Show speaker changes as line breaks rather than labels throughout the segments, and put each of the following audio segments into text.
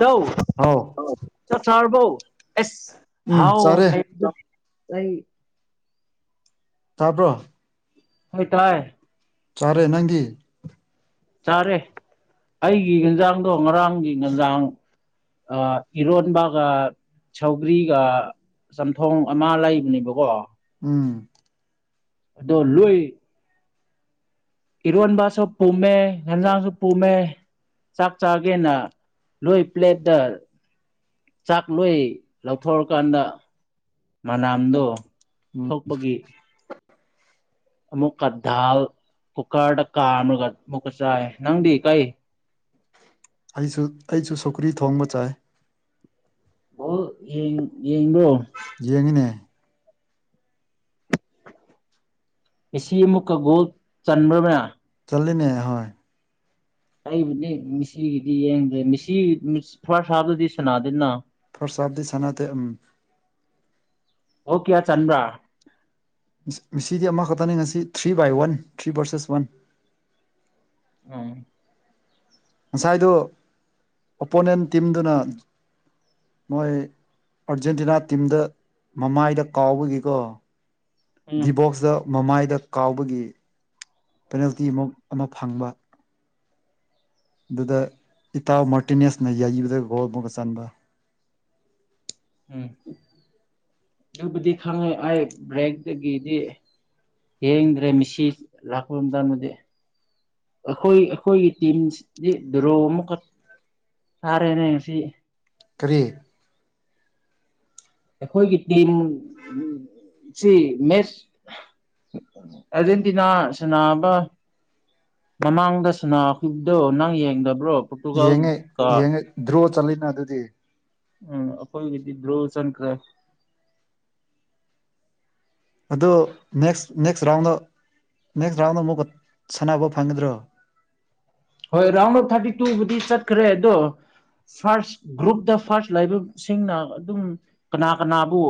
ꯗꯧ ꯍꯥꯎ ꯆꯥꯛ ꯆꯔꯕꯣ ꯑꯦꯁ
ꯎꯝ
ꯍꯥꯎ
ꯆꯥꯔꯦ
ꯇꯥꯏꯌꯦ
ꯇꯥꯕ꯭ꯔꯣ
ꯍꯣꯏ ꯇꯥꯏ
ꯆꯥꯔꯦ ꯅꯪꯗꯤ
ꯆꯥꯔꯦ ꯑꯩꯒꯤ ꯍꯦꯟꯖꯥꯡꯗꯣ ꯉꯔꯥꯡꯒꯤ ꯉꯖꯥꯡ ꯑꯥ ꯏꯔꯣꯟꯕꯥꯒ ꯁꯧꯒ꯭ꯔꯤꯒ ꯆꯝꯊꯣꯡ ꯑꯃꯥ ꯂꯩꯅꯤꯕꯀꯣ
ꯎꯝ
ꯑꯗꯣ ꯂꯣꯏ ꯏꯔꯣꯟꯕꯥꯁꯨ ꯄꯨꯝꯃꯦ ꯍꯦꯟꯖꯥꯡꯁꯨ ꯄꯨꯝꯃꯦ ꯆꯥꯛ ꯆꯥꯒꯦꯅ ꯂꯣꯏ ꯄ꯭ꯂꯦꯠꯇ ꯆꯥꯛꯂꯣꯏ ꯂꯧꯊꯣꯛꯔꯀꯥꯟꯗ ꯃꯅꯥꯝꯗꯣ
ꯎꯝ
ꯊꯣꯛꯄꯒꯤ ꯑꯃꯨꯛꯀ ꯙꯥꯜ ꯀꯨꯀꯔꯗ ꯀꯥꯝꯔꯒ ꯑꯃꯨꯛꯀ ꯆꯥꯏ ꯅꯪꯗꯤ ꯀꯩ
ꯑꯩꯁꯨ ꯑꯩꯖꯨ ꯁꯧꯒ꯭ꯔꯤ ꯊꯣꯡꯕ ꯆꯥꯏ
ꯕꯣꯜ ꯌꯦꯡ ꯌꯦꯡꯕ꯭ꯔꯣ
ꯌꯦꯡꯉꯤꯅꯦ
ꯃꯦꯁꯤ ꯑꯃꯨꯛꯀ ꯒꯣꯜ ꯆꯟꯕ꯭ꯔ ꯃꯌꯥ
ꯇꯜꯂꯦꯅꯦ ꯍꯣꯏ
ꯑꯩꯕꯨꯗꯤ ꯃꯤꯁꯤꯒꯤꯗꯤ ꯌꯦꯡꯗꯦ ꯃꯤꯁꯤ ꯐꯥꯔꯁ ꯍꯥꯞꯇꯗꯤ ꯁꯅꯥꯗꯦꯅ
ꯐꯔꯁ ꯍꯥꯞꯗꯤ ꯁꯅꯥꯗꯦ ꯎꯝ
ꯒꯣꯜ ꯀ꯭ꯌꯥ ꯆꯟꯕ꯭ꯔꯥ
ꯃꯤ ꯃꯤꯁꯤꯗꯤ ꯑꯃꯈꯛꯇꯅꯦ ꯉꯁꯤ three by one three versus one
ꯑꯣꯡ
ꯉꯁꯥꯏꯗꯣ ꯑꯣꯄꯣꯅꯦꯟ ꯇꯤꯝꯗꯨꯅ ꯃꯣꯏ ꯑꯥꯔꯖꯦꯟꯇꯤꯅꯥ ꯇꯤꯝꯗ ꯃꯃꯥꯏꯗ ꯀꯥꯎꯕꯒꯤꯀꯣ
ꯎꯝ
ꯗꯤꯕꯣꯛꯁꯗ ꯃꯃꯥꯏꯗ ꯀꯥꯎꯕꯒꯤ ꯄꯦꯅꯥꯜꯇꯤ ꯃꯨꯛ ꯑꯃ ꯐꯪꯕ ꯑꯗꯨꯗ ꯏꯇꯥꯎ ꯃꯥꯔꯇꯤꯅꯦꯁꯅ ꯌꯩꯕꯗ ꯒꯣꯜ ꯕꯨꯒ ꯆꯟꯕ
ꯎꯝ ꯗꯨꯕꯨꯗꯤ ꯈꯪꯉꯦ ꯑꯩ ꯕ꯭ꯔꯦꯛꯇꯒꯤꯗꯤ ꯌꯦꯡꯗ꯭ꯔꯦ ꯃꯤꯁꯤ ꯂꯥꯛꯄ ꯃꯇꯝꯗꯗꯤ ꯑꯈꯣꯏ ꯑꯈꯣꯏꯒꯤ ꯇꯤꯝꯁꯤꯗꯤ ꯗ꯭ꯔꯣ ꯑꯃꯨꯛꯀ ꯊꯥꯔꯦꯅꯦ ꯉꯁꯤ
ꯀꯔꯤ
ꯑꯩꯈꯣꯏꯒꯤ ꯇꯤꯝ ꯁꯤ ꯃꯦꯁ ꯑꯔꯖꯦꯟꯇꯤꯅ ꯁꯟꯅꯕ ꯃꯃꯥꯡꯗ ꯁꯅꯈꯤꯕꯗꯣ ꯅꯪ ꯌꯦꯡꯗꯕ꯭ꯔꯣ ꯄꯣꯔꯇꯨꯒꯥꯜ
ꯌꯦꯡꯉꯦ
ꯀ
ꯌꯦꯡꯉꯦ ꯗ꯭ꯔꯣ ꯆꯠꯂꯤꯅ ꯑꯗꯨꯗꯤ
ꯎꯝ ꯑꯈꯣꯏꯒꯤꯗꯤ ꯗ꯭ꯔꯣ ꯆꯪꯈ꯭ꯔꯦ
ꯑꯗꯣ next next round next round ꯑꯃꯨꯛꯀ ꯁꯥꯟꯅꯕ ꯐꯪꯒꯗ꯭ꯔꯣ
ꯍꯣꯏ ꯔꯥꯎꯟ ꯑꯣꯐ ꯊꯥꯔꯇꯤ ꯇꯨꯕꯨꯗꯤ ꯆꯠꯈ꯭ꯔꯦ ꯑꯗꯣ ꯐꯥꯔꯁ ꯒ꯭ꯔꯨꯞꯇ ꯐꯥꯔꯁ ꯂꯩꯕꯁꯤꯡꯅ ꯑꯗꯨꯝ ꯀꯅꯥ ꯀꯅꯥꯕꯨ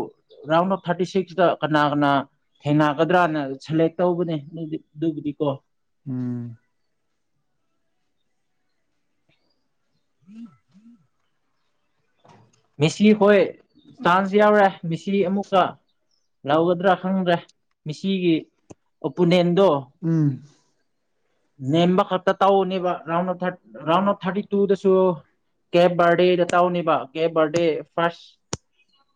ꯔꯥꯎꯟ ꯑꯣꯐ ꯊꯥꯔꯇꯤ ꯁꯤꯛꯁꯇ ꯀꯅꯥ ꯀꯅꯥ ꯊꯦꯡꯅꯒꯗ꯭ꯔꯥꯅ ꯁꯦꯂꯦꯛ ꯇꯧꯕꯅꯦ ꯃꯤꯗꯤ ꯑꯗꯨꯕꯨꯗꯤ ꯀꯣ
ꯎꯝ
[inaudible] ꯃꯦꯁꯤ ꯍꯣꯏ ꯇꯥꯟꯁ ꯌꯥꯎꯔꯦ ꯃꯦꯁꯤ ꯑꯃꯨꯛꯀ ꯂꯧꯒꯗ꯭ꯔꯥ ꯈꯪꯗ꯭ꯔꯦ ꯃꯦꯁꯤꯒꯤ ꯑꯣꯄꯨꯅꯦꯟ
ꯎꯝ
ꯅꯦꯝꯕ ꯈꯇ ꯇꯧꯅꯦꯕ round of thirty round of ꯊꯥꯔꯇꯤꯇꯨꯗꯁꯨ ꯀꯦꯞ ꯕꯔꯗꯦꯒ ꯇꯥꯎꯅꯦꯕ ꯀꯦꯞ ꯕꯔꯗꯦ ꯐꯥꯔꯁ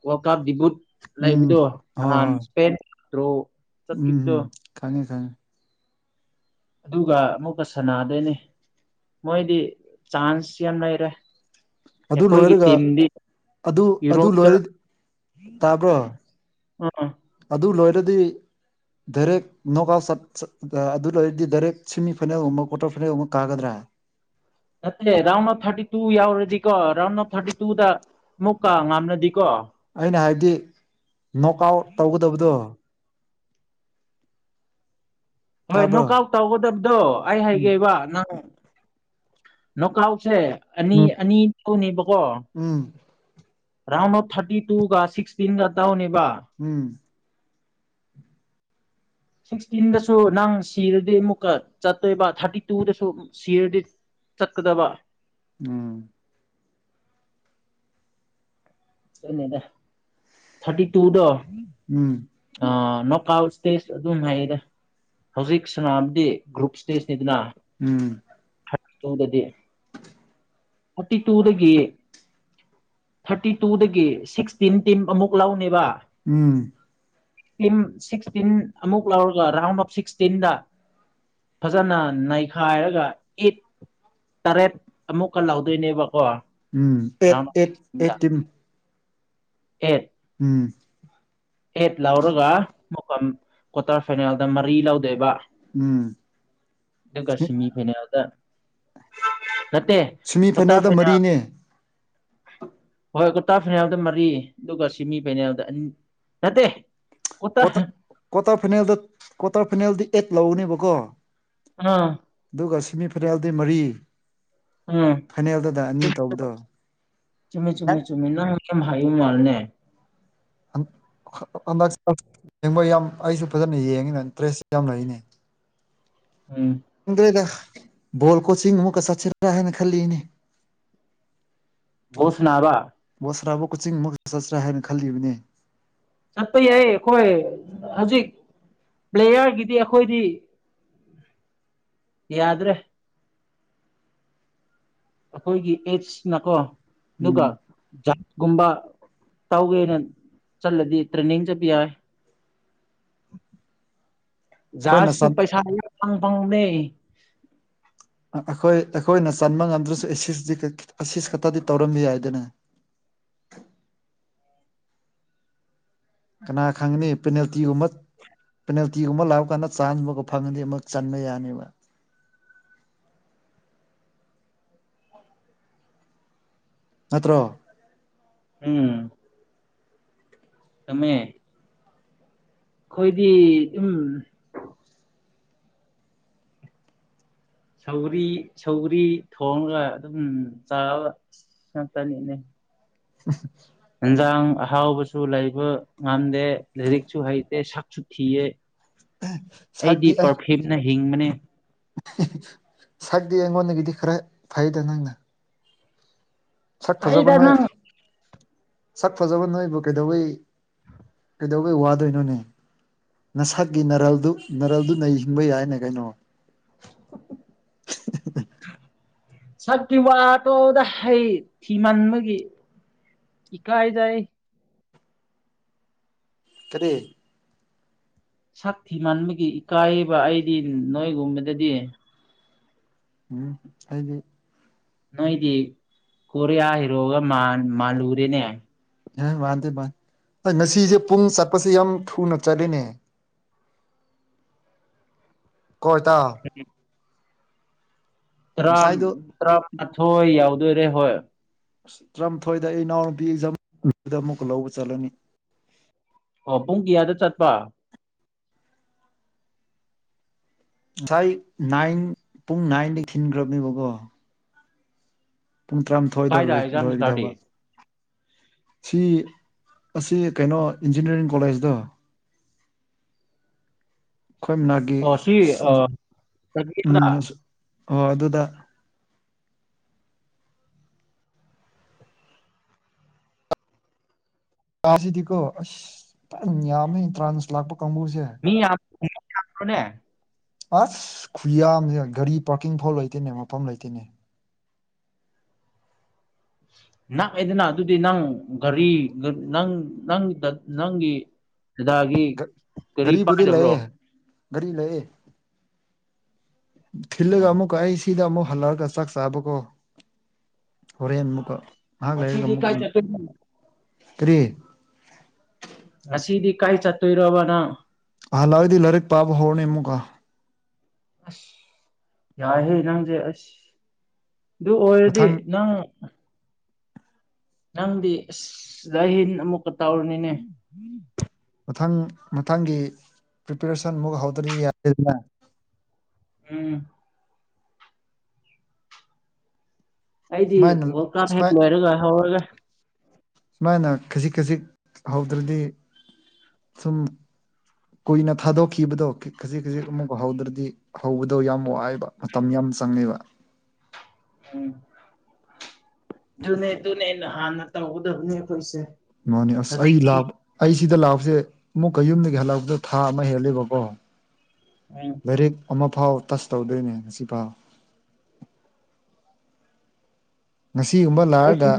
ꯋꯥꯔꯜ ꯀꯞ ꯗꯤꯕꯨꯠ
ꯎꯝ
ꯂꯩꯕꯗꯣ
ꯍꯣꯏ
ꯅꯍꯥꯟ
ꯍꯣꯏ
ꯁ꯭ꯄꯦꯟ ꯗ꯭ꯔꯣ
ꯎꯝ
ꯆꯠꯈꯤꯕꯗꯣ
ꯎꯝ ꯈꯪꯉꯦ ꯈꯪꯉꯦ
ꯑꯗꯨꯒ ꯑꯃꯨꯛꯀ ꯁꯅꯥꯗꯣꯏꯅꯦ ꯃꯣꯏꯗꯤ ꯆꯥꯟꯁ ꯌꯥꯝ ꯂꯩꯔꯦ
ꯑꯗꯨ
ꯑꯩꯈꯣꯏꯒꯤ
ꯂꯣꯏꯔꯒ
ꯇꯤꯝꯗꯤ
ꯑꯗꯨ ꯑꯗꯨ
ꯌꯨꯔꯣꯞꯇ
ꯂꯣꯏꯔ ꯇꯥꯕ꯭ꯔꯣ
ꯑꯥ
ꯑꯗꯨ ꯂꯣꯏꯔꯗꯤ ꯗꯥꯏꯔꯦꯛ ꯅꯣꯛ ꯑꯥꯎꯠ ꯆꯠ ꯆ ꯑꯗꯨ ꯂꯩꯣꯏꯔꯗꯤ ꯗꯥꯏꯔꯦꯛ ꯁꯦꯃꯤ ꯐꯥꯏꯅꯦꯜꯒꯨꯝꯕ ꯀ꯭ꯋꯥꯇꯔ ꯐꯥꯏꯅꯦꯜꯒꯨꯝꯕ ꯀꯥꯒꯗ꯭ꯔꯥ
[inaudible] ꯅꯠꯇꯦ ꯔꯥꯎꯟ ꯑꯣꯐ ꯊꯥꯔꯇꯤ ꯇꯨ ꯌꯥꯎꯔꯗꯤꯀꯣ ꯔꯥꯎꯟ ꯑꯣꯐ ꯊꯥꯔꯇꯤ ꯇꯨꯗ ꯑꯃꯨꯛꯀ ꯉꯥꯝꯔꯗꯤꯀꯣ
ꯑꯩꯅ ꯍꯥꯏꯗꯤ ꯅꯣꯛ ꯑꯥꯎꯠ ꯇꯧꯒꯗꯕꯗꯣ
ꯍꯣꯏ
ꯇꯥꯕ꯭ꯔꯣ
ꯅꯣꯛ ꯑꯥꯎꯠ ꯇꯧꯒꯗꯕꯗꯣ ꯑꯩ
ꯎꯝ
ꯍꯥꯏꯒꯦꯕ ꯅꯪ ꯅꯣꯛ ꯀꯥꯎꯠꯁꯦ ꯑꯅꯤ
ꯎꯝ
ꯑꯅꯤ ꯊꯣꯅꯤꯕꯀꯣ
ꯎꯝ
ꯔꯥꯎꯟ ꯑꯣꯐ ꯊꯔꯇꯤ ꯇꯨꯒ ꯁꯤꯛꯁꯇꯤꯟꯒ ꯇꯧꯅꯦ
ꯎꯝ
ꯁꯤꯛꯁꯇꯤꯟꯗꯁꯨ ꯅꯪ ꯁꯤꯔꯗꯤ ꯑꯃꯨꯛꯀ ꯆꯠꯇꯣꯏꯕ ꯊꯥꯔꯇꯤ ꯇꯨꯗꯁꯨ ꯁꯤꯔꯗꯤ ꯆꯠꯀꯗꯕ
ꯎꯝ
ꯆꯠꯂꯦꯗ ꯊꯥꯔꯇꯤ ꯇꯨꯗꯣ
ꯎꯝ
ꯑꯥ ꯅꯣꯛ ꯑꯥꯎꯠ ꯁ꯭ꯇꯦꯖ ꯑꯗꯨꯝ ꯍꯥꯏꯌꯦꯗ ꯍꯧꯖꯤꯛ ꯁꯅꯥꯕꯗꯤ ꯒ꯭ꯔꯨꯞ ꯁ꯭ꯇꯦꯖꯅꯤꯗꯅ
ꯎꯝ
ꯇꯨꯗꯗꯤ ꯊꯔꯇꯤ ꯇꯨꯗꯒꯤ ꯊꯔꯇꯤ ꯇꯨꯗꯒꯤ ꯁꯤꯛꯁꯇꯤꯟ ꯇꯤꯝ ꯑꯃꯨꯛ ꯂꯧꯅꯦꯕ
ꯎꯝ
ꯇꯤꯝ ꯁꯤꯛꯁꯇꯤꯟ ꯑꯃꯨꯛ ꯂꯧꯔꯒ ꯔꯥꯎꯟ ꯑꯣꯞ ꯁꯤꯛꯁꯇꯤꯟꯗ ꯐꯖꯟꯅ ꯅꯩꯈꯥꯏꯔꯒ ꯏꯠ ꯇꯔꯦꯠ ꯑꯃꯨꯛꯀ ꯂꯧꯗꯣꯏꯅꯦꯕ ꯀꯣ
ꯎꯝ
round
eight
of
eight eight
ꯁꯤꯛꯁꯇꯤꯟꯗ
ꯇꯤꯝ
ꯑꯦꯠ
ꯎꯝ
ꯑꯦꯠ ꯂꯧꯔꯒ ꯃꯨꯛꯀ ꯀ꯭ꯋꯥꯇꯔ ꯐꯥꯏꯅꯦꯜꯗ ꯃꯔꯤ ꯂꯧꯗꯣꯏꯕ
ꯎꯝ
ꯑꯗꯨꯒ ꯁꯤꯃꯤ ꯐꯥꯏꯅꯦꯜꯗ ꯅꯠꯇꯦ
ꯁꯤꯃꯤ
ꯀ꯭ꯋꯥꯇꯔ
ꯐꯥꯏꯅꯦꯜꯗ
ꯐꯥꯏꯅꯦꯜ
ꯃꯔꯤꯅꯦ
[inaudible] ꯍꯣꯏ ꯀ꯭ꯋꯥꯇꯔ ꯐꯅꯦꯜꯗ ꯃꯔꯤ ꯑꯗꯨꯒ ꯁꯤꯃꯤ ꯐꯩꯅꯦꯜꯗ ꯑꯅꯤ ꯅꯠꯇꯦ ꯀ꯭ꯋꯥꯇꯔ
ꯀ꯭ꯋꯥꯇꯛ ꯀ꯭ꯋꯥꯇꯔ ꯐꯥꯏꯅꯦꯜꯗ ꯀ꯭ꯋꯥꯇꯔ ꯐꯥꯏꯅꯦꯜꯗꯤ ꯑꯦꯠ ꯂꯧꯒꯅꯦꯕꯀꯣ
ꯑꯥ
ꯑꯗꯨꯒ ꯁꯤꯃꯤ ꯐꯅꯦꯜꯗꯤ ꯃꯔꯤ
ꯎꯝ
ꯐꯥꯏꯅꯦꯜꯗꯅ ꯑꯅꯤ ꯇꯧꯕꯗꯣ
ꯆꯨꯝꯃꯦ ꯆꯨꯝꯃꯦ
ꯅꯪ
ꯆꯨꯝꯃꯦ ꯅꯪ ꯌꯥꯝ ꯍꯩꯕ ꯃꯥꯜꯂꯦꯅꯦ
[unintelligible] [unintelligible] ꯃꯣꯏ ꯌꯥꯝ ꯑꯩꯁꯨ ꯐꯖꯟꯅ ꯌꯦꯡꯉꯦꯅꯦ ꯗ꯭ꯔꯦꯖ ꯌꯥꯝ ꯂꯩꯅꯦ
[inaudible]
ꯈꯪꯗ꯭ꯔꯦꯗ ꯕꯣꯜ ꯀꯣꯆꯤꯡ ꯑꯃꯨꯛꯀ ꯆꯠꯁꯤꯔ ꯍꯥꯏꯅ ꯈꯜꯂꯤꯅꯦ
ꯕꯣꯜ ꯁꯥꯅꯕ
ꯁꯅꯥꯕ ꯀꯣꯆꯤꯡꯃꯛꯀ ꯆꯠꯁꯤꯔꯥ ꯍꯥꯏꯅ ꯈꯜꯂꯤꯕꯅꯦ
ꯆꯠꯄ ꯌꯥꯏ ꯑꯈꯣꯏ ꯍꯧꯖꯤꯛ ꯄ꯭ꯂꯦꯌ꯭ꯔꯒꯤꯗꯤ ꯑꯈꯣꯏꯗꯤ ꯌꯥꯗ꯭ꯔꯦ ꯑꯈꯣꯏꯒꯤ ꯑꯦꯠꯁꯅꯀꯣ ꯑꯗꯨꯒ
ꯎꯝ
ꯖ ꯒꯨꯝꯕ ꯇꯧꯒꯦꯅ ꯆꯠꯂꯗꯤ ꯇ꯭ꯔꯦꯟꯅꯤꯡ ꯆꯠꯄ ꯌꯥꯏ
ꯑꯩꯈꯣꯏꯅ
ꯖꯍꯥꯖꯁꯨ ꯄꯩꯁꯥ ꯌꯥꯝ ꯐꯪ ꯐꯪꯕꯅꯦ
ꯑ ꯑꯈꯣꯏ ꯑꯈꯣꯏꯅ ꯆꯟꯕ ꯉꯝꯗ꯭ꯔꯁꯨ ꯑꯦꯁꯤꯁꯇꯤ ꯀ ꯑꯦꯁꯤꯁ ꯈꯛꯇꯗꯤ ꯇꯧꯔꯝꯕ ꯌꯥꯏꯗꯅ
[inaudible]
ꯀꯥꯅ ꯈꯪꯒꯅꯤ ꯄꯦꯅꯥꯜꯇꯤꯒꯨꯝꯕ ꯄꯦꯅꯥꯜꯇꯤꯒꯨꯝꯕ ꯂꯥꯛ ꯀꯥꯟꯗ ꯆꯥꯟꯁ ꯑꯃꯒ ꯐꯪꯉꯗꯤ ꯑꯃꯨꯛ ꯆꯟꯕ ꯌꯥꯅꯦꯕ
[inaudible]
ꯅꯠꯇ꯭ꯔꯣ
ꯎꯝ ꯆꯨꯝꯃꯦ ꯑꯈꯣꯏꯗꯤ ꯎꯝ ꯁꯧꯒ꯭ꯔꯤ ꯁꯧꯒ꯭ꯔꯤ ꯊꯣꯡꯒ ꯑꯗꯨꯝ ꯆꯥꯕ ꯉꯥꯛꯇꯅꯤꯅꯦ
[inaudible]
ꯏꯟꯖꯥꯡ ꯑꯍꯥꯎꯕꯁꯨ ꯂꯩꯕ ꯉꯝꯗꯦ ꯂꯥꯏꯔꯤꯛꯁꯨ ꯍꯩꯇꯦ ꯁꯛꯁꯨ ꯊꯤꯌꯦ ꯑꯩꯗꯤ ꯄꯔꯐꯤꯝꯅ ꯍꯤꯡꯕꯅꯦ
ꯁꯛꯗꯤ ꯑꯩꯉꯣꯟꯗꯒꯤꯗꯤ ꯈꯔ ꯐꯩꯗ ꯅꯪꯅ ꯁꯛ ꯐꯖꯕ
ꯍꯩꯗ
ꯅꯣꯏ
ꯅꯪ
ꯁꯛ ꯐꯖꯕ ꯅꯣꯏꯕꯨ ꯀꯩꯗꯧꯋꯤ ꯀꯩꯗꯧꯕꯩ ꯋꯥꯗꯣꯏꯅꯣꯅꯦ ꯅꯁꯛꯀꯤ ꯅꯔꯜꯗꯨ ꯅꯔꯜꯗꯨꯅ ꯍꯤꯡꯕ ꯌꯥꯏꯅꯦ ꯀꯩꯅꯣ [unintelligible]
ꯁꯛꯀꯤ ꯋꯥꯇꯣꯛꯑꯗ ꯑꯩ ꯊꯤꯃꯟꯕꯒꯤ ꯏꯀꯥꯏ ꯖꯩ
ꯀꯔꯤ
ꯁꯥꯛ ꯊꯤꯃꯟꯕꯒꯤ ꯏꯀꯥꯏꯕ ꯑꯩꯗꯤ ꯅꯣꯏꯒꯨꯝꯕꯗꯗꯤ
ꯎꯝ ꯑꯩꯗꯤ
ꯅꯣꯏꯗꯤ ꯀꯣꯔꯤꯌꯥ ꯍꯤꯔꯣꯒ ꯃꯥꯟ ꯃꯥꯜꯂꯨꯔꯦꯅꯦ
ꯑꯦ ꯃꯥꯟꯗꯦ ꯕꯥꯏ ꯑꯦ ꯉꯁꯤꯁꯦ ꯄꯨꯡ ꯆꯠꯄꯁꯦ ꯌꯥꯝ ꯊꯨꯅ ꯆꯠꯂꯤꯅꯦ ꯀꯣ ꯏꯇꯥꯎ
ꯇ꯭ꯥꯔꯝ
ꯉꯁꯥꯏꯗꯣ
ꯇ꯭ꯥꯔ ꯑꯊꯣꯏ ꯌꯥꯎꯗꯣꯔꯦ ꯍꯣꯏ
[unintelligible] ꯏꯅꯥꯎꯄꯤ ꯑꯃꯨꯛꯀ ꯂꯧꯕ ꯆꯠꯂꯅꯤ
ꯑꯣ ꯄꯨꯡ ꯀꯥꯌꯗ ꯆꯠꯄ
ꯉꯁꯥꯏ ꯅꯥꯏꯟ ꯄꯨꯡ ꯅꯥꯏꯟꯗꯒꯤ ꯊꯤꯟꯈ꯭ꯔꯕꯅꯦꯕꯀꯣ ꯄꯨꯡ ꯇꯔꯥꯃꯥꯊꯣꯏꯗ
ꯀꯥꯏꯗ
ꯂꯣꯏ
ꯑꯦꯛꯖꯥꯝ ꯏꯁꯇꯥꯔꯠꯇꯤ
ꯂꯣꯏꯒꯗꯕ ꯁꯤ ꯑꯁꯤ ꯀꯩꯅꯣ ꯏꯟꯖꯤꯅ꯭ꯌꯥꯔꯤꯡ ꯀꯣꯂꯦꯖꯇꯣ
[inaudible]
ꯑꯩꯈꯣꯏ ꯃꯅꯥꯛꯀꯤ
ꯑꯣ ꯁꯤ ꯑꯣ
ꯎꯝ
[unintelligible]
ꯑꯣ ꯑꯗꯨꯗ ꯌꯥꯁꯤꯗꯤꯀꯣ ꯑꯁ ꯐꯖꯅ ꯌꯥꯝꯃꯦ ꯇ꯭ꯔꯥꯟꯁ ꯄ꯭ꯂꯥꯟꯗꯣ
ꯃꯤ ꯌꯥꯝ [unintelligible]
ꯑꯁ ꯈꯨꯌꯥꯝꯁꯦ ꯒꯥꯔꯤ ꯄꯥꯔꯀꯤꯡ ꯐꯥꯎ ꯂꯩꯇꯦꯅꯦ ꯃꯐꯝ ꯂꯩꯇꯅꯦ
ꯅꯥꯛꯑꯦꯗꯅ ꯑꯗꯨꯗꯤ ꯅꯪ ꯒꯥꯔꯤ ꯅꯪ ꯅꯪ ꯗ ꯅꯪꯒꯤ ꯗꯥꯗꯥꯒꯤ ꯒꯥꯔꯤ
ꯒꯥꯔꯤꯕꯨꯗꯤ
ꯄꯥꯏꯗꯕ꯭ꯔꯣ
ꯂꯩꯑꯦ ꯒꯔꯤ ꯂꯩꯑꯦ ꯊꯤꯜꯂꯒ
ꯑꯣ
ꯑꯃꯨꯛꯀ ꯑꯩ ꯁꯤꯗ ꯑꯃꯨꯛ ꯍꯜꯂꯛꯑꯒ ꯆꯥꯛ ꯆꯥꯕꯀꯣ ꯍꯣꯔꯦꯟ ꯑꯃꯨꯛꯀ ꯉꯍꯥꯛ ꯂꯩꯔꯒ
ꯉꯁꯤꯗꯤ
ꯑꯃꯨꯛꯀ
ꯀꯥꯏ ꯆꯠꯇꯣꯏꯅꯣ
ꯀꯔꯤ
ꯉꯁꯤꯗꯤ ꯀꯥꯏ ꯆꯠꯇꯣꯔꯣꯕ ꯅꯪ
ꯍꯜꯂꯛꯑꯗꯤ ꯂꯥꯏꯔꯤꯛ ꯄꯥꯕ ꯍꯧꯔꯅꯤ ꯑꯃꯨꯛꯀꯥ
ꯑꯁ ꯌꯥꯏꯍꯦ ꯅꯪꯁꯦ ꯑꯁ ꯑꯗꯨ ꯑꯣꯏꯔꯗꯤ
ꯃꯊꯪ
ꯅꯪ ꯅꯪꯗꯤ ꯑꯁ ꯂꯥꯏꯔꯤꯛ ꯍꯩꯕꯅꯤꯅ ꯑꯃꯨꯛ
ꯃꯊꯪ ꯃꯊꯪꯒꯤ ꯄ꯭ꯔꯤꯄꯦꯔꯦꯁꯟ ꯃꯨꯛ ꯍꯧꯗ꯭ꯔꯗꯤ ꯌꯥꯗꯦꯗꯅ
ꯎꯝ ꯑꯩꯗꯤ
ꯁꯨꯃꯥꯏꯅ
ꯋꯥꯜ ꯀꯥꯞ ꯍꯦꯛ
ꯁꯨꯃꯥꯏ
ꯂꯣꯏꯔꯒ ꯍꯧꯔꯒꯦ
ꯁꯨꯃꯥꯏꯅ ꯈꯖꯤꯛ ꯈꯖꯤꯛ ꯍꯧꯗ꯭ꯔꯗꯤ ꯁꯨꯝ ꯀꯨꯏꯅ ꯊꯥꯗꯣꯛꯈꯤꯕꯗꯣ ꯈꯖꯤꯛ ꯈꯖꯤꯛ ꯑꯃꯨꯛ ꯍꯧꯗ꯭ꯔꯗꯤ ꯍꯧꯕꯗꯣ ꯌꯥꯝ ꯋꯥꯏꯕ ꯃꯇꯝ ꯌꯥꯝ ꯆꯪꯉꯦꯕ
[inaudible] ꯎꯝ ꯑꯗꯨꯅꯦ ꯑꯗꯨꯅꯦ ꯅꯍꯥꯟꯅ ꯇꯧꯒꯗꯕꯅꯦ ꯑꯩꯈꯣꯏꯁꯦ
ꯃꯥꯅꯦ ꯑꯁ ꯑꯩ
ꯍꯧꯖꯤꯛꯇꯤ
ꯂꯥꯛ ꯑꯩ ꯁꯤꯗ ꯂꯥꯛꯄꯁꯦ ꯑꯃꯨꯛꯀ ꯌꯨꯝꯗ ꯍꯜꯂꯛꯄꯗꯣ ꯊꯥ ꯑꯃ ꯍꯦꯜꯂꯦꯕꯀꯣ
ꯎꯝ
ꯂꯥꯏꯔꯤꯛ ꯑꯃꯐꯥꯎ ꯇꯁ ꯇꯧꯗ꯭ꯔꯤꯅꯦ ꯉꯁꯤꯐꯥꯎ ꯉꯁꯤꯒꯨꯝꯕ ꯂꯥꯛꯑꯒ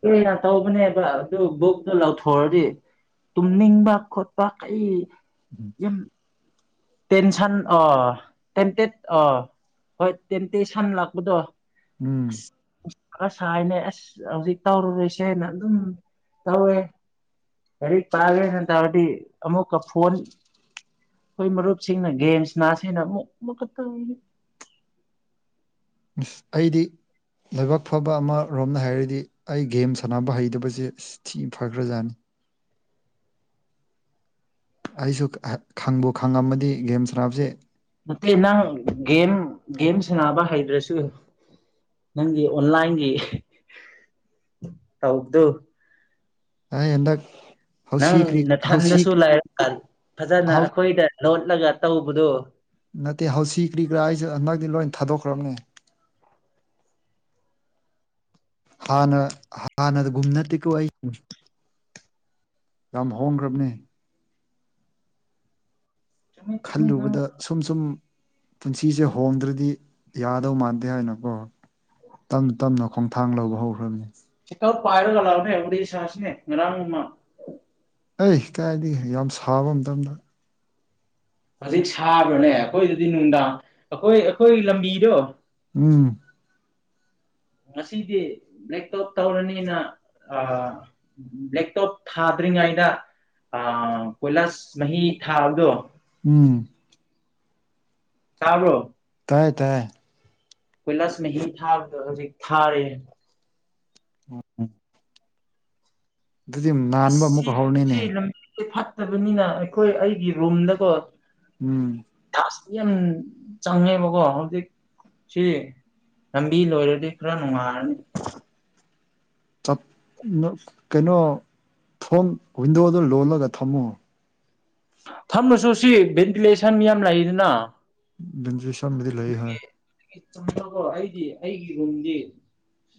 ꯀꯨꯢꯅ ꯇꯧꯕꯅꯦꯕ ꯑꯗꯨ ꯕꯨꯛꯇꯨ ꯂꯧꯊꯣꯛꯑꯗꯤ ꯇꯨꯝꯅꯤꯡꯕ ꯈꯣꯠꯄ ꯀꯩ ꯌꯥꯝ ꯇꯦꯟꯁꯟ ꯑ ꯇꯦꯟꯇꯦꯠ ꯑ ꯍꯣꯏ ꯇꯦꯟꯇꯦꯁꯟ ꯂꯥꯛꯄꯗꯣ
ꯎꯝ
ꯑꯁ ꯍꯥꯏꯅꯦ ꯑꯁ ꯍꯧꯖꯤꯛ ꯇꯧꯔꯨꯔꯁꯦꯅ ꯑꯗꯨꯝ ꯇꯧꯋꯦ ꯂꯥꯏꯔꯤꯛ ꯄꯥꯒꯦꯅ ꯇꯧꯔꯗꯤ ꯑꯃꯨꯛꯀ ꯐꯣꯟ ꯑꯩꯈꯣꯏ ꯃꯔꯨꯞꯁꯤꯡꯅ ꯒꯦꯝꯁ ꯁꯥꯅꯁꯦꯅ ꯑꯃꯨꯛ ꯑꯃꯨꯛꯀ ꯇꯧꯔꯤꯅꯤ
ꯏꯁ ꯑꯩꯗꯤ ꯂꯥꯏꯕꯛ ꯐꯕ ꯑꯃꯔꯣꯝꯅ ꯍꯥꯏꯔꯗꯤ ꯑꯩ ꯒꯦꯝ ꯁꯥꯟꯅꯕ ꯍꯩꯇꯕꯁꯦ ꯊꯤ ꯐꯈ꯭ꯔꯖꯥꯠꯅꯤ ꯑꯩꯁꯨ ꯈꯪꯕꯨ ꯈꯪꯉꯝꯃꯗꯤ ꯒꯦꯝ ꯁꯥꯟꯅꯕꯁꯦ
ꯅꯠꯇꯦ ꯅꯪ ꯒꯦꯝ ꯒꯦꯝ ꯁꯥꯟꯅꯕ ꯍꯩꯇ꯭ꯔꯁꯨ ꯅꯪꯒꯤ ꯑꯣꯟꯂꯥꯏꯟꯒꯤ ꯇꯧꯕꯗꯨ
ꯑꯩ ꯍꯟꯗꯛ
ꯅꯪ
ꯍꯧꯁꯤ ꯀ꯭ꯔꯤ ꯍꯧꯁꯤ
ꯅꯊꯟꯗꯁꯨ ꯂꯩꯔꯒ ꯐꯖꯅ
ꯍꯧ
ꯑꯩꯈꯣꯏꯗ ꯂꯣꯠꯂꯒ ꯇꯧꯕꯗꯣ
ꯅꯠꯇꯦ ꯍꯥꯎꯁꯤ ꯒ꯭ꯔꯤꯒ꯭ꯔꯥ ꯑꯩꯁꯨ ꯍꯟꯗꯛꯇꯤ ꯂꯣꯏ ꯊꯥꯗꯣꯛꯈ꯭ꯔꯕꯅꯦ ꯍꯥꯟꯅ ꯍꯥꯟꯅꯒꯨꯝ ꯅꯠꯇꯦꯀꯣ ꯑꯩ ꯌꯥꯝ ꯍꯣꯡꯈ꯭ꯔꯕꯅꯦ
ꯆꯨꯝꯃꯤ ꯆꯨꯝꯃꯤ ꯅꯪ
ꯈꯜꯂꯨꯕꯗ ꯁꯨꯝ ꯁꯨꯝ ꯄꯨꯟꯁꯤꯁꯦ ꯍꯣꯡꯗ꯭ꯔꯗꯤ ꯌꯥꯗꯧ ꯃꯥꯟꯗꯦ ꯍꯥꯏꯅꯀꯣ ꯇꯞꯅ ꯇꯞꯅ ꯈꯣꯡꯊꯥꯡ ꯂꯧꯕ ꯍꯧꯈ꯭ꯔꯕꯅꯦ
ꯄꯥꯏꯔꯒ ꯂꯥꯛꯎꯅꯦ ꯋꯥꯔꯤ ꯁꯥꯁꯤꯅꯦ ꯉꯥꯔꯥꯡꯒꯨꯝꯅ
ꯑꯩ ꯀꯥꯏꯗꯒꯤ ꯌꯥꯝ ꯁꯥꯕ ꯃꯇꯝꯗ
ꯍꯧꯖꯤꯛ ꯁꯥꯕ꯭ꯔꯣꯅꯦ ꯑꯩꯈꯣꯏꯗꯗꯤ ꯅꯨꯡꯗꯥꯡ ꯑꯩꯈꯣꯏ ꯑꯩꯈꯣꯏ ꯂꯝꯕꯤꯗꯣ
ꯎꯝ
ꯉꯁꯤꯗꯤ ꯂꯦꯛꯇꯣꯞ ꯇꯧꯔꯅꯤꯅꯥ ꯑꯥ ꯂꯦꯛꯇꯣꯞ ꯊꯥꯗ꯭ꯔꯤꯉꯩꯗꯥ ꯑꯥ ꯀꯣꯏꯂꯥꯁ ꯃꯍꯤ ꯊꯥꯕꯗꯣ
ꯎꯝ
ꯇꯥꯕ꯭ꯔꯣ
ꯇꯥꯌꯦ ꯇꯥꯌꯦ
ꯀꯣꯏꯂꯥꯁ ꯃꯍꯤ ꯊꯥꯕꯗꯣ ꯍꯧꯖꯤꯛ ꯊꯥꯔꯦ
ꯑꯣ
ꯑꯁ ꯁꯤ
ꯑꯃꯨꯛꯀ
ꯁꯤ
ꯍꯧꯔꯅꯤꯅꯦ
ꯂꯝꯕꯤꯖꯦ ꯐꯠꯇꯕꯅꯤꯅꯥ ꯑꯩꯈꯣꯏ ꯑꯩꯒꯤ ꯔꯨꯝꯗꯀꯣ
ꯎꯝ
ꯌꯥꯝ ꯆꯪꯉꯦꯕꯀꯣ ꯍꯧꯖꯤꯛ ꯁꯤ ꯂꯝꯕꯤ ꯂꯣꯏꯔꯗꯤ ꯈꯔ ꯅꯨꯡꯉꯥꯏꯔꯅꯤ
ꯆꯠ ꯀꯩꯅꯣ ꯊꯣꯡ ꯋꯤꯟꯗꯣꯗꯨ ꯂꯣꯜꯂꯒ ꯊꯝꯃꯣ
ꯊꯝꯃꯁꯨ ꯁꯤ ꯚꯦꯟꯇꯤꯂꯦꯁꯟ ꯌꯥꯝ ꯂꯩꯗꯅ
ꯚꯦꯟꯇꯤꯂꯦꯁꯟꯕꯨꯗꯤ ꯂꯩ ꯍꯥꯏ
ꯑꯩꯗꯤ ꯑꯩꯒꯤ ꯔꯨꯝꯗꯤ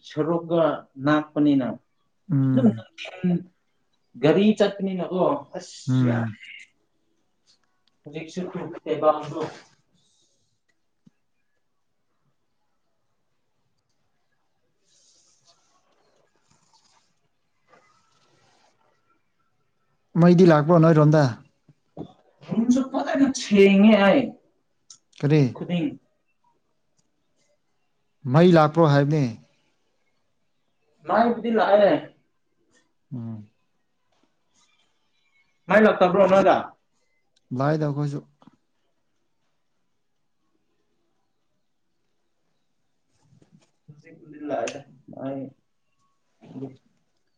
ꯁꯔꯨꯛꯒ ꯅꯥꯥꯛꯄꯅꯤꯅ
ꯎꯝ
ꯗꯨꯝ ꯒꯔꯤ ꯆꯠꯄꯅꯤ ꯅꯀꯣ ꯑꯁ
ꯎꯝ
ꯍꯧꯖꯤꯛꯁꯨ ꯀ꯭ꯔꯤ ꯀꯦꯕꯥꯡꯗꯨ
ꯃꯩꯗꯤ ꯂꯥꯛꯄ꯭ꯔꯣ ꯅꯣꯏꯔꯣꯝꯗ
ꯔꯨꯝꯁꯨ ꯐꯖꯅꯅ ꯁꯦꯡꯉꯦ ꯑꯩ
ꯀꯔꯤ
ꯃꯤꯠ ꯈꯨꯨꯗꯤꯡ
ꯃꯩ ꯂꯥꯛꯄ꯭ꯔꯣ ꯍꯥꯏꯕꯅꯦ
ꯃꯩꯕꯨꯗꯤ ꯂꯥꯛꯑꯦ
ꯎꯝ
ꯃꯩ ꯂꯥꯛꯇꯕ꯭ꯔꯣ ꯅꯣꯏꯗ
ꯂꯥꯛꯏꯗ ꯑꯈꯣꯏꯖꯨ
ꯍꯧꯖꯤꯛꯄꯨꯗꯤ ꯂꯥꯛꯑꯦꯗ